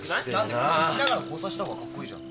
だって抜きながら交差したほうがカッコいいじゃん？